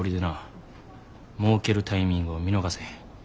もうけるタイミングを見逃せへん。